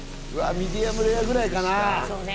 ミディアムレアぐらいかなそうね